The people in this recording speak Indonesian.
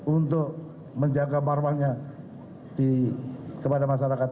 untuk menjaga marwahnya kepada masyarakat